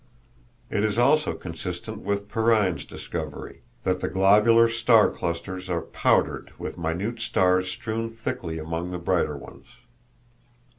It is also consistent with Perrine's discovery—that the globular star clusters are powdered with minute stars strewn thickly among the brighter ones.